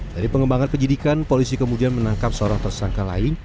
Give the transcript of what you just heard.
dari pengembangan penyidikan polisi kemudian menangkap seorang tersangka lain